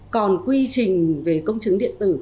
còn quy trình về công chứng điện tử